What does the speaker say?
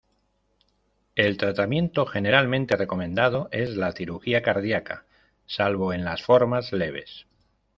El tratamiento generalmente recomendado es la cirugía cardiaca, salvo en las formas leves.